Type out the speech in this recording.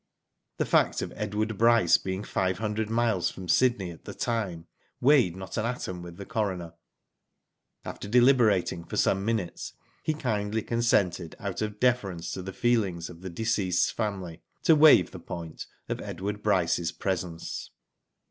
The fact of Edward Bryce being five hundred miles from Sydney at the time, weighed not an atom with the coroner. After deliberating for some minutes, he kindly consented, out of deference to the feelings of the , deceased's family, to waive the point" of Edward Bryce's pre sence.